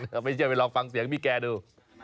ถ้าไม่เชื่อไปลองฟังเสียงพี่แกดู